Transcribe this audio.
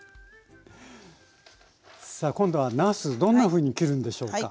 さあ今度はなすどんなふうに切るんでしょうか？